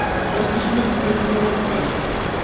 Rausgeschmissen wird nur, was falsch ist.